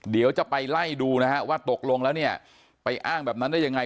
เดี๋ยวจะไปไล่ดูนะฮะว่าตกลงแล้วเนี่ยไปอ้างแบบนั้นได้ยังไง